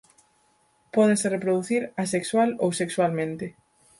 Pódense reproducir asexual ou sexualmente.